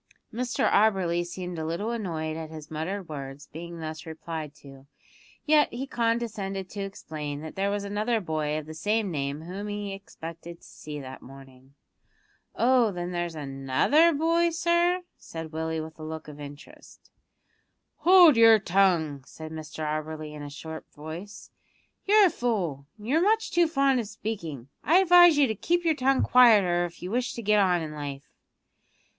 Mr Auberly seemed a little annoyed at his muttered words being thus replied to, yet he condescended to explain that there was another boy of the same name whom he expected to see that morning. "Oh, then there's another other boy, sir?" said Willie with a look of interest. "Hold your tongue!" said Mr Auberly in a sharp voice; "you're a fool, and you're much too fond of speaking. I advise you to keep your tongue quieter if you wish to get on in life."